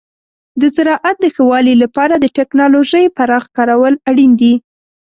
د زراعت د ښه والي لپاره د تکنالوژۍ پراخ کارول اړین دي.